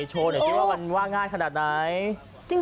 โชว์เดี๋ยวที่ว่ามันว่าง่ายขนาดไหน